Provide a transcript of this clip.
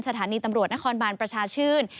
สถานีตำรวจนครบานประชาชื่น